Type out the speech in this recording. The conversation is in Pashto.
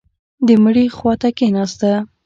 د مړي خوا ته کښېناسته.